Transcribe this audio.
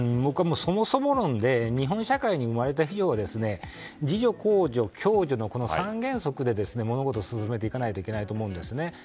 そもそも論で日本社会に生まれた日には自助、公助、共助の３原則で物事を進めていかないといけないと思うんですね。